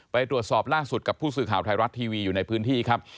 ไปตรวจสอบล่าสุดกับผู้สื่อข่าวไทยรัฐทีวีอยู่ในพื้นที่ครับ